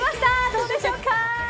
どうでしょうか。